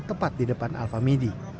tepat di depan alfa media